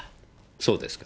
そうですか。